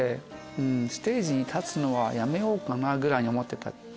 ステージに立つのはやめようかなぐらいに思ってた。